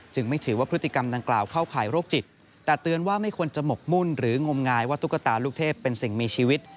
ไม่ถือว่าพฤติกรรมดังกล่าวเข้าข่ายโรคจิตแต่เตือนว่าไม่ควรจะหมกมุ่นหรืองมงายว่าตุ๊กตาลูกเทพเป็นสิ่งมีชีวิต